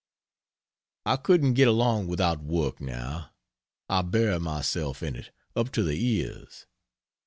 I couldn't get along without work now. I bury myself in it up to the ears.